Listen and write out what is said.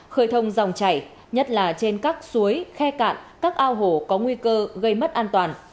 khơi thông dòng chảy nhất là trên các suối khe cạn các ao hồ có nguy cơ gây mất an toàn